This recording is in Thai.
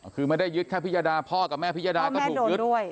คือไม่ได้ยึดแค่พิยดาพ่อกับแม่พิยดาก็ถูกยึดพ่อแม่โดนด้วยอ๋อ